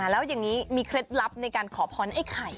แล้วอย่างนี้มีเคล็ดลับในการขอพรไอ้ไข่